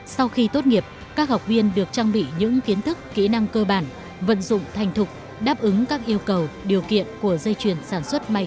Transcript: sau khi tốt nghiệp các học viên được trang bị những kiến thức kỹ năng cơ bản vận dụng thành thục đáp ứng các yêu cầu điều kiện của dây chuyển sản xuất may